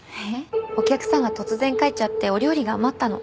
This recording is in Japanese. お客さんが突然帰っちゃってお料理が余ったの。